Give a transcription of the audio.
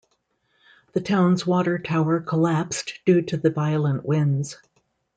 The town's water tower collapsed due to the violent winds.